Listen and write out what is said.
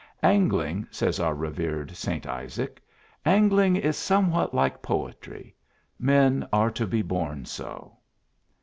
"Angling," says our revered St. Izaak, "angling is somewhat like poetry men are to be born so."